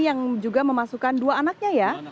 yang juga memasukkan dua anaknya ya